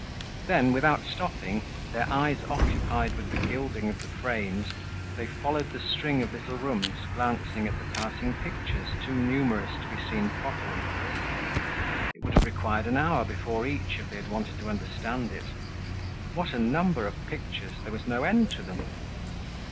Then, without stopping, their eyes occupied with the gilding of the frames, they followed the string of little rooms, glancing at the passing pictures too numerous to be seen properly. It would have required an hour before each, if they had wanted to understand it. What a number of pictures! There was no end to them.